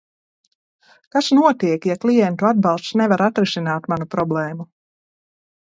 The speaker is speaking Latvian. Kas notiek, ja klientu atbalsts nevar atrisināt manu problēmu?